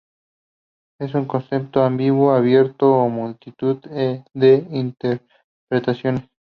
Es un concepto ambiguo, abierto a multitud de interpretaciones.